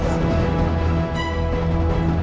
aku akan menang